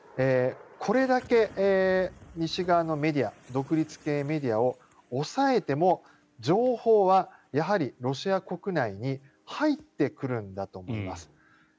これだけ西側のメディア独立系メディアを抑えても情報はやはりロシア国内に入ってくるんだと思います。